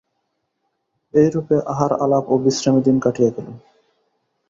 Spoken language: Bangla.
এইরূপে আহার আলাপ ও বিশ্রামে দিন কাটিয়া গেল।